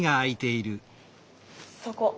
そこ。